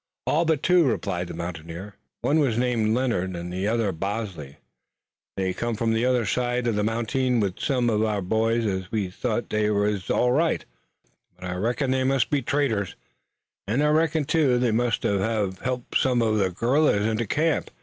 "All but two," replied the mountaineer. "One was named Leonard and the other Bosley. They come from the other side uv the mounting with some uv the boys an' we thought they wuz all right, but I reckon they must be the traitors, an' I reckon too they must hev helped some uv the gorillers into the camp.